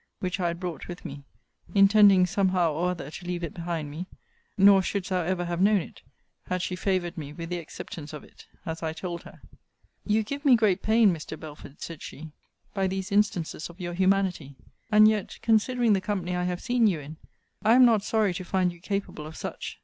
which I had brought with me, intending some how or other to leave it behind me: nor shouldst thou ever have known it, had she favoured me with the acceptance of it; as I told her. You give me great pain, Mr. Belford, said she, by these instances of your humanity. And yet, considering the company I have seen you in, I am not sorry to find you capable of such.